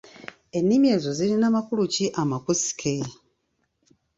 Ennini ezo zirina makulu ki amakusike?